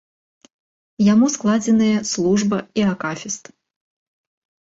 Яму складзеныя служба і акафіст.